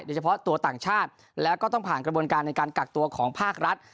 โดยเฉพาะตัวต่างชาติแล้วก็ต้องผ่านกระบวนการในการกักตัวของภาครัฐ